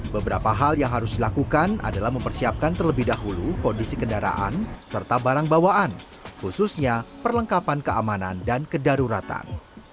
beberapa hal yang harus dilakukan adalah mempersiapkan terlebih dahulu kondisi kendaraan serta barang bawaan khususnya perlengkapan keamanan dan kedaruratan